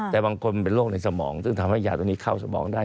แต่บางคนเป็นโรคในสมองซึ่งทำให้ยาตัวนี้เข้าสมองได้